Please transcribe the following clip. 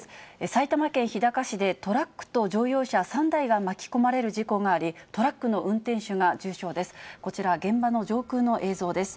埼玉県日高市でトラックと乗用車３台が巻き込まれる事故があり、トラックの運転手が重傷です。